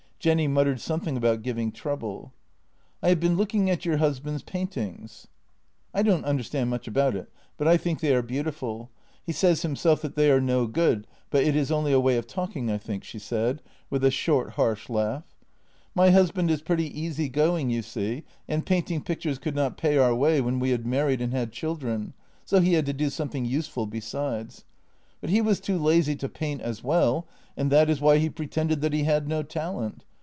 Jenny muttered something about giving trouble: " I have been looking at your husband's paintings." " I don't understand much about it, but I think they are beautiful. He says himself that they are no good, but it is only a way of talking, I think," she said, with a short, harsh laugh. " My husband is pretty easy going, you see, and paint ing pictures could not pay our way when we had married and had children, so he had to do something useful besides. But he was too lazy to paint as well, and that is why he pretended that he had no talent.